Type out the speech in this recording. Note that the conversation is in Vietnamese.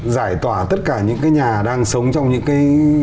giải tỏa tất cả những cái nhà đang sống trong những cái